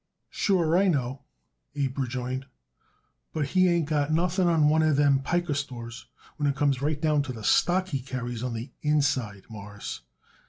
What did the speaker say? "Sure I know," Abe rejoined; "but he ain't got nothing on one of them piker stores when it comes right down to the stock he carries on the inside, Mawruss.